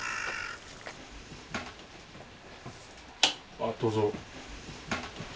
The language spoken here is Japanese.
あっどうぞ。